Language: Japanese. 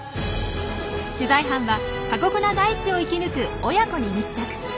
取材班は過酷な大地を生き抜く親子に密着。